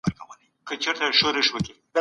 سالم ذهن جنجال نه خپروي.